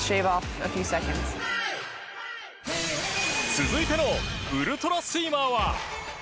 続いてのウルトラスイマーは。